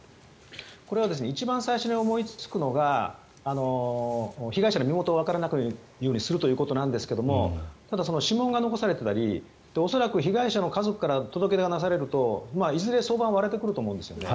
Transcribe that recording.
これは一番最初に思いつくのが被害者の身元をわからないようにするということですがただ、指紋が残されていたり恐らく被害者の家族から届け出が出されるといずれ、早晩割れてくると思うんですね。